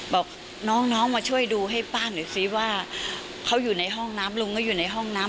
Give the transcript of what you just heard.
บอกน้องน้องมาช่วยดูให้ป้าหน่อยสิว่าเขาอยู่ในห้องน้ำลุงก็อยู่ในห้องน้ำ